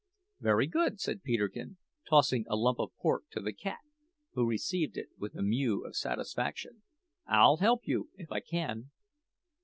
"Very good," said Peterkin, tossing a lump of pork to the cat, who received it with a mew of satisfaction. "I'll help you, if I can."